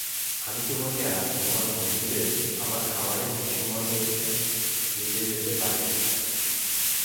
আমি তোমাকে আর তোমার বন্ধুদের আমার খামারে খুশিমনেই নিতে যেতে পারি।